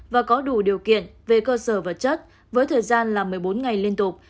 và có đủ điều kiện về cơ sở vật chất với thời gian là một mươi bốn ngày liên tục